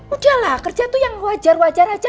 udahlah kerja tuh yang wajar wajar aja